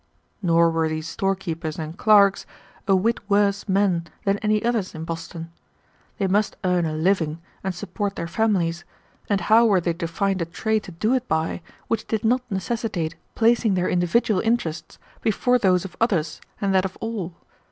Nor were these storekeepers and clerks a whit worse men than any others in Boston. They must earn a living and support their families, and how were they to find a trade to do it by which did not necessitate placing their individual interests before those of others and that of all?